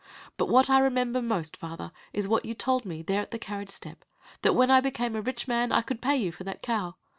But what I remember most, father, is what you told me, there at the carriage step, that when I became a rich man, I could pay you for that cow.